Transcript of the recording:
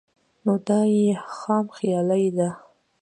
نو دا ئې خام خيالي ده